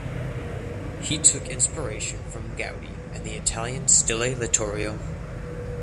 He took inspiration from Gaudi and the Italian Stile Littorio.